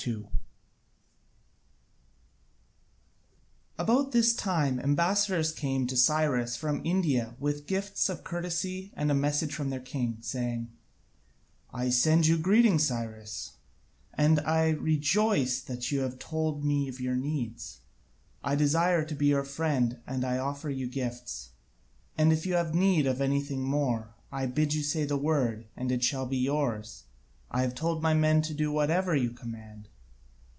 2] About this time ambassadors came to Cyrus from India with gifts of courtesy and a message from their king, saying: "I send you greeting, Cyrus, and I rejoice that you told me of your needs. I desire to be your friend and I offer you gifts; and if you have need of anything more, I bid you say the word, and it shall be yours. I have told my men to do whatever you command."